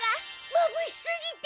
まぶしすぎて。